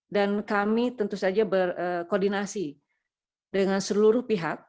dan kami tentu saja berkoordinasi dengan seluruh pihak